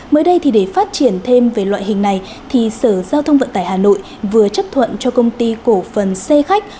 mới đây thì để phát triển thêm về loại hình này thì sở giao thông vận tải hà nội vừa chấp thuận cho công ty cổ phần xe khách